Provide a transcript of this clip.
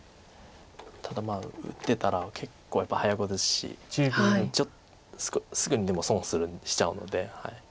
ただ打ってたら結構やっぱり早碁ですしちょっとすぐにでも損しちゃうので。